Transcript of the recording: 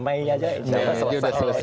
meinya aja insya allah selesai